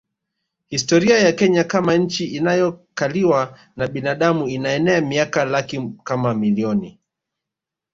Historia ya Kenya kama nchi inayokaliwa na binadamu inaenea miaka laki kama milioni